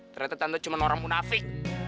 ternyata tanda cuma orang munafik